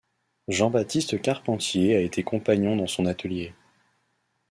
Jean-Baptiste Carpentier a été compagnon dans son atelier.